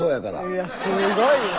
いやすごいな。